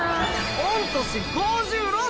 御年５６。